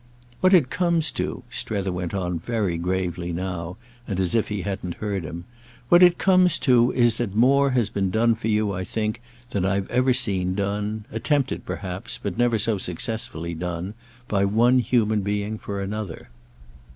"What it comes to," Strether went on very gravely now and as if he hadn't heard him, "what it comes to is that more has been done for you, I think, than I've ever seen done—attempted perhaps, but never so successfully done—by one human being for another."